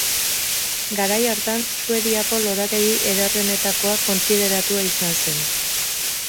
Garai hartan Suediako lorategi ederrenetakoa kontsideratua izan zen.